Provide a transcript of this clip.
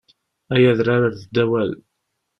Ay adrar err-d awal!